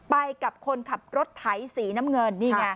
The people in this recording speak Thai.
ไปกับคนขับรถไถสีน้ำเงินนี่ไง